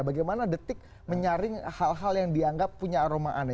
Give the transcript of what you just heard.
bagaimana detik menyaring hal hal yang dianggap punya aroma aneh